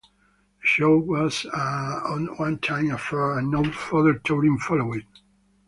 The show was a one-time affair, and no further touring followed.